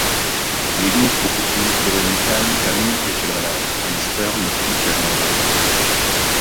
Jedním z posledních pokusů bylo míchání karmínově červené a jistého množství černé barvy.